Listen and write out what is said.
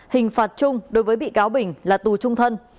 hình phạt chung đối với bị cáo bình là tù trung thân